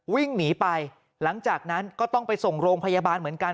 วิ่งหนีไปหลังจากนั้นก็ต้องไปส่งโรงพยาบาลเหมือนกัน